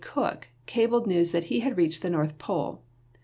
Cook cabled news that he had reached the North Pole.